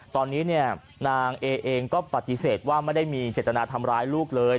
ตอนนี้นางเอ๊ก็ปฏิเสธว่าไม่ได้มีการทำร้ายลูกเลย